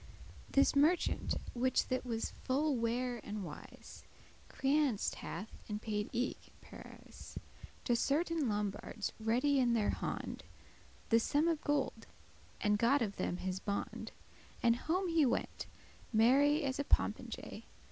This merchant, which that was full ware and wise, *Creanced hath,* and paid eke in Paris *had obtained credit* To certain Lombards ready in their hond The sum of gold, and got of them his bond, And home he went, merry as a popinjay.